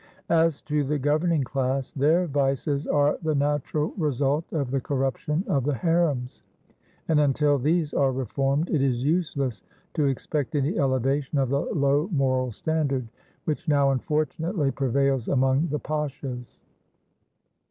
As to the governing class, their vices are the natural result of the corruption of the harems, and until these are reformed, it is useless to expect any elevation of the low moral standard which now unfortunately prevails among the pashas.